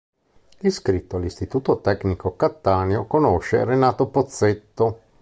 Iscritto all'Istituto Tecnico Cattaneo, conosce Renato Pozzetto.